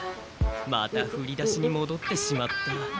またふりだしにもどってしまった。